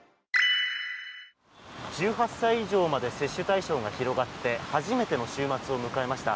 １８歳以上まで接種対象が広がって初めての週末を迎えました。